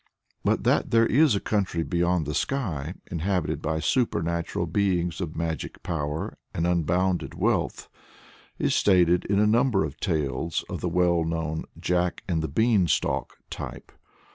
But that there is a country beyond the sky, inhabited by supernatural beings of magic power and unbounded wealth, is stated in a number of tales of the well known "Jack and the Beanstalk" type.